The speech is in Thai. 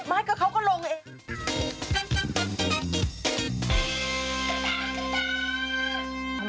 มาก็เขาก็ลงเอง